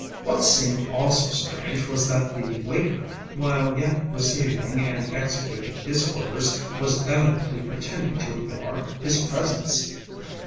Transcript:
What seemed also strange was that the waiter, while yet receiving and executing his orders, was evidently pretending to ignore his presence.